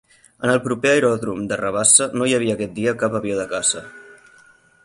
En el proper aeròdrom de Rabassa no hi havia aquest dia cap avió de caça.